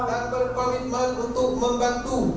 dan berkomitmen untuk membantu